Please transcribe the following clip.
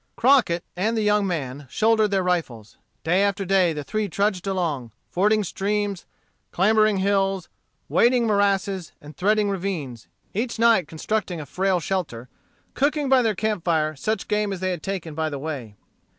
Crockett and the young man shouldered their rifles. Day after day the three trudged along, fording streams, clambering hills, wading morasses, and threading ravines, each night constructing a frail shelter, and cooking by their camp fire such game as they had taken by the way.